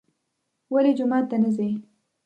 ولې جومات ته نه ځي.